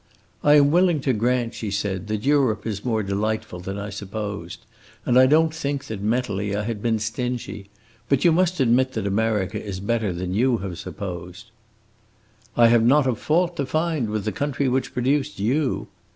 "I am willing to grant," she said, "that Europe is more delightful than I supposed; and I don't think that, mentally, I had been stingy. But you must admit that America is better than you have supposed." "I have not a fault to find with the country which produced you!"